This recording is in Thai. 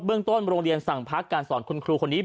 เรื่องต้นโรงเรียนสั่งพักการสอนคุณครูคนนี้